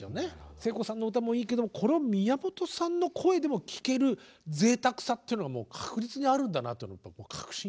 聖子さんの歌もいいけどこれを宮本さんの声でも聴けるぜいたくさっていうのはもう確実にあるんだなというのをやっぱり確信いたしました。